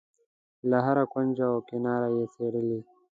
له هره کونج و کناره یې څېړلې.